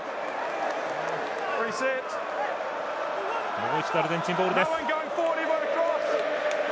もう一度、アルゼンチンボール。